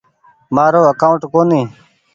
مآرو اڪآونٽ ڪونيٚ ڇي۔